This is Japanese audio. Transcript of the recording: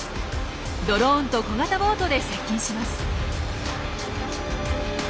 ドローンと小型ボートで接近します。